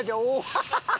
ハハハハ！